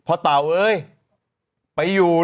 ดื่มน้ำก่อนสักนิดใช่ไหมคะคุณพี่